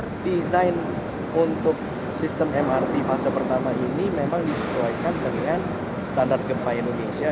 jadi desain untuk sistem mrt fase pertama ini memang disesuaikan dengan standar gempa indonesia